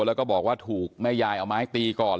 แล้วก็บอกว่าถูกแม่ยายเอาไม้ตีก่อน